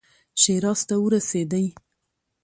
شیراز ته ورسېدی.